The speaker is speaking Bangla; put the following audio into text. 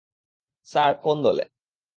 স্যার, কোন দল?